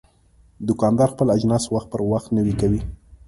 دوکاندار خپل اجناس وخت پر وخت نوی کوي.